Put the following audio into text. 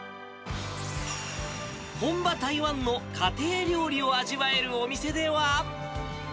本場台湾の家庭料理を味わえるお店では。